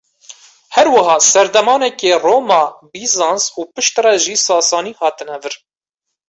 Her wiha serdemekê Roma, Bîzans û piştre jî sasanî hatine vir.